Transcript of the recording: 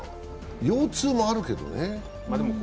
腰痛もあるけどね。